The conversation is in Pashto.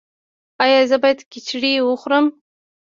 ایا زه باید کیچړي وخورم؟